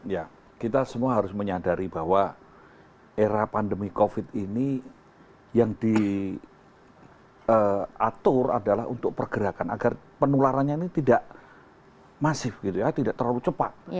ya kita semua harus menyadari bahwa era pandemi covid ini yang diatur adalah untuk pergerakan agar penularannya ini tidak masif gitu ya tidak terlalu cepat